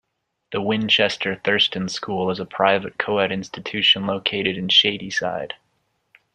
The Winchester Thurston School is a private co-ed institution located in Shadyside.